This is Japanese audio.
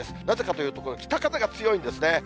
なぜかというと、この北風が強いんですね。